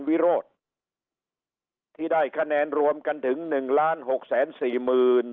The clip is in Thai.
วิโรธที่ได้คะแนนรวมกันถึงหนึ่งล้านหกแสนสี่หมื่น